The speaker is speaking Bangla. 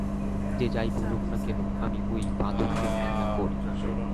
যে যাই বলুক না কেন, আমি ওই বাঁদরদের ঘৃণা করি।